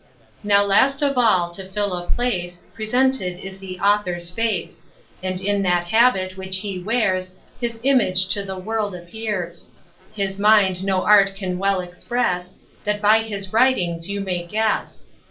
Now last of all to fill a place, Presented is the Author's face; And in that habit which he wears, His image to the world appears. His mind no art can well express, That by his writings you may guess.